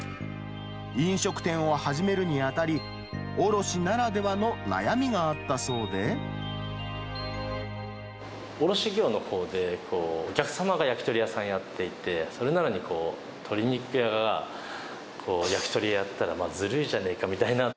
飲食店を始めるにあたり、卸業のほうで、お客様が焼き鳥屋さんやっていて、それなのに鶏肉屋が焼き鳥屋やったらずるいじゃねえかみたいな。